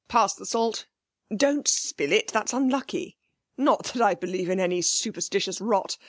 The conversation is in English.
Pass the salt; don't spill it that's unlucky. Not that I believe in any superstitious rot.